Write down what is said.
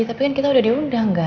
tapi kan kita udah diundang kan